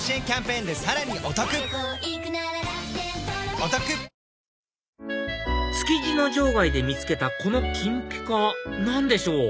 これ築地の場外で見つけたこの金ぴか何でしょう？